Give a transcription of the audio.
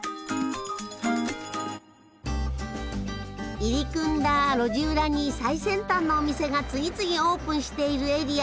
入り組んだ路地裏に最先端のお店が次々オープンしているエリア